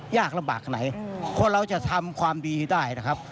ยากลำบากไหนคนเราจะทำความดีได้นะครับ